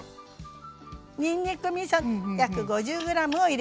にんにくみそ約５０ｇを入れました。